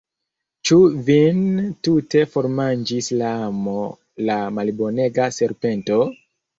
Ĉu vin tute formanĝis la amo, la malbonega serpento?